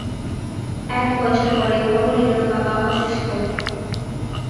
এক বছর পরে খবর এলো বাবা অসুস্থ।